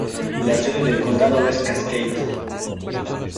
La sede del condado es Cascade.